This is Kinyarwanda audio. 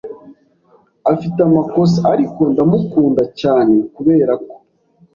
Afite amakosa, ariko ndamukunda cyane kuberako.